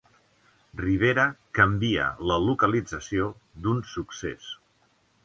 Rivera canvia la localització d'un succés